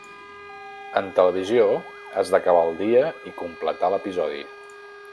En televisió has d'acabar el dia i completar l'episodi.